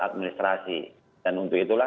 administrasi dan untuk itulah